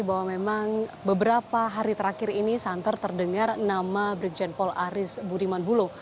bahwa memang beberapa hari terakhir ini santer terdengar nama brigjen paul aris budiman bulo